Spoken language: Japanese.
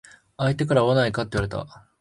相手から会わないかって言われた。